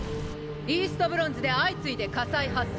イーストブロンズで相次いで火災発生。